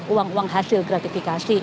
uang uang hasil gratifikasi